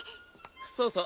そうそう。